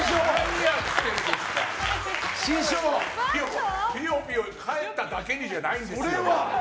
師匠、ピヨピヨかえっただけにじゃないんですよ。